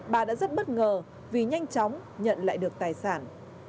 bà đã rất bất ngờ vì nhanh chóng nhận lại được tài sản